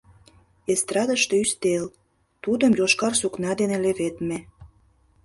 Эстрадыште ӱстел, тудым йошкар сукна дене леведме.